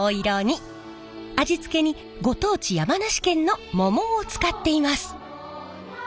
味付けにご当地山梨県の桃を使っています。